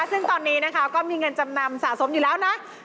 ซึ่งตอนนี้นะคะก็มีเงินจำนำสะสมอยู่แล้วนะ